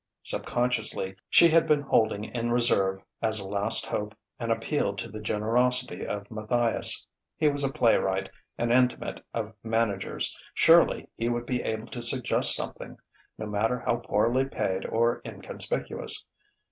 Subconsciously she had been holding in reserve, as a last hope, an appeal to the generosity of Matthias. He was a playwright, an intimate of managers: surely he would be able to suggest something, no matter how poorly paid or inconspicuous.